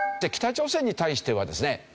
北朝鮮に対してはですね